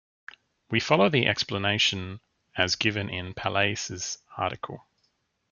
We follow the explanation as given in Palais's article.